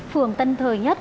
phường tân thời nhất